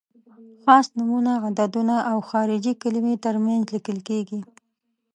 خاص نومونه، عددونه او خارجي کلمې تر منځ لیکل کیږي.